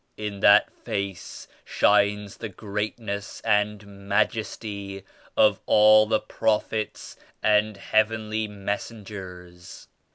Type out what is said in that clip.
In that Face shines the greatness and majesty of all the Prophets and Heavenly Messengers.